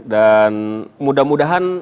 dan mudah mudahan